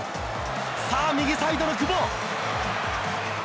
さあ、右サイドの久保。